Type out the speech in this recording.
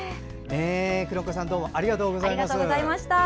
くろんこさんどうもありがとうございます。